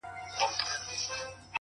هره لاسته راوړنه استقامت غواړي!